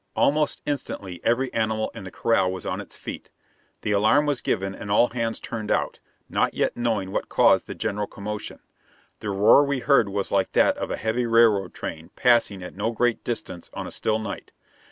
Almost instantly every animal in the corral was on its feet. The alarm was given and all hands turned out, not yet knowing what caused the general commotion. The roar we heard was like that of a heavy railroad train passing at no great distance on a still night.